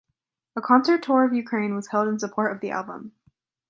A concert tour of Ukraine was held in support of the album.